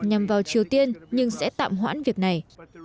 nhằm vào triều tiên nhưng sẽ tạm hoãn việc này